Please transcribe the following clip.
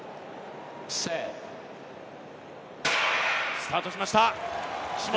スタートしました、岸本。